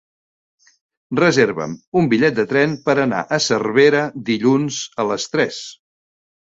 Reserva'm un bitllet de tren per anar a Cervera dilluns a les tres.